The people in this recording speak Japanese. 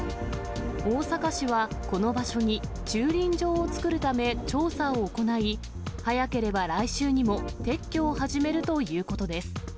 大阪市はこの場所に駐輪場を作るため、調査を行い、早ければ来週にも撤去を始めるということです。